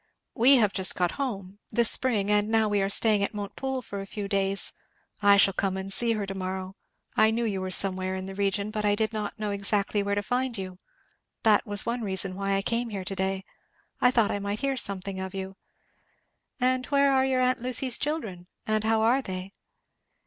We have just got home this spring; and now we are staying at Montepoole for a few days. I shall come and see her to morrow I knew you were somewhere in this region, but I did not know exactly where to find you; that was one reason why I came here to day I thought I might hear something of you. And where are your aunt Lucy's children? and how are they?"